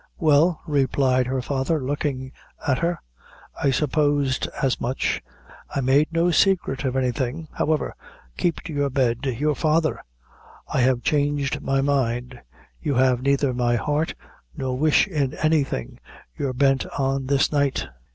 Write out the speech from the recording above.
"Well," replied her father, looking at her, "I supposed as much. I made no secret of anything; however, keep to your bed you're " "Father, I have changed my mind; you have neither my heart nor wish in anything you're bent on this night."